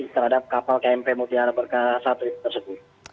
terhadap kapal kmp mutiara berkah satu tersebut